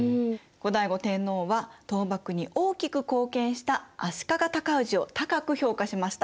後醍醐天皇は倒幕に大きく貢献した足利高氏を高く評価しました。